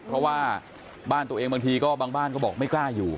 เพราะว่าบ้านตัวเองบางทีก็บางบ้านก็บอกไม่กล้าอยู่